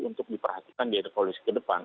untuk diperhatikan di edukasi ke depan